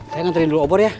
saya nganterin dulu obor ya